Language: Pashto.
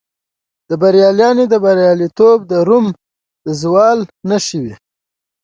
د بربریانو بریالیتوبونه د روم د زوال نښې وې